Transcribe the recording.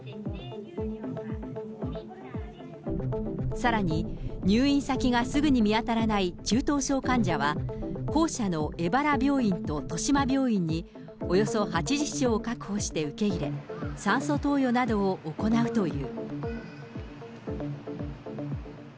さらに入院先がすぐに見当たらない中等症患者は、公社の荏原病院と豊島病院におよそ８０床を確保して受け入れ、酸素投与などを行うという。